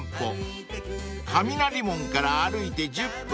［雷門から歩いて１０分］